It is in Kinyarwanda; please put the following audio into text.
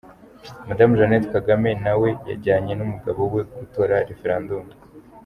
Madamu Jeannette Kagame na we yajyanye n’umugabo we gutora Referandumu.